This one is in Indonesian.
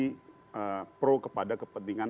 dulu selalu membangun narasi pro kepada kepentingan